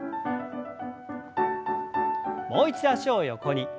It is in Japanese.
もう一度脚を横に。